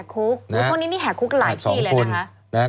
คุกช่วงนี้นี่แห่คุกหลายที่เลยนะคะ